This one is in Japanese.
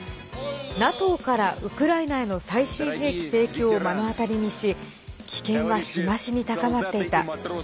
ＮＡＴＯからウクライナへの最新兵器提供を目の当たりにし危険が日増しに高まっていた。